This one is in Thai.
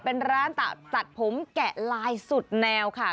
เป็นร้านตัดผมแกะลายสุดแนวค่ะ